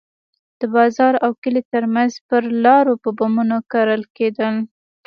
د بازار او کلي ترمنځ پر لارو به بمونه کرل کېدل.